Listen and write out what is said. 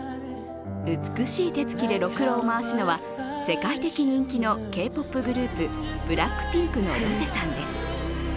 美しい手つきでろくろを回すのは世界的人気のＫ−ＰＯＰグループ、ＢＬＡＣＫＰＩＮＫのロゼさんです。